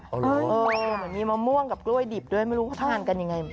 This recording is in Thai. เหมือนมะม่วงกับกล้วยดิบด้วยไม่รู้ทานกันยังไง